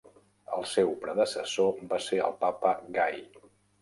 El seu predecessor va ser el papa Gai.